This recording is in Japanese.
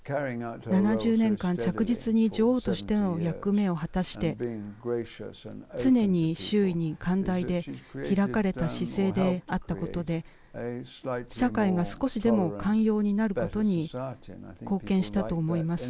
７０年間、着実に女王としての役目を果たして常に周囲に寛大で開かれた執政であったことで社会が少しでも寛容になることに貢献したと思います。